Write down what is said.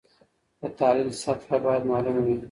د تحلیل سطحه باید معلومه وي.